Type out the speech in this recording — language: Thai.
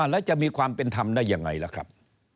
แล้วจะมีความเป็นธรรมได้ยังไงล่ะครับ